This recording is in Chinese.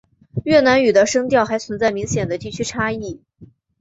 越南语的声调还存在明显的地区差异。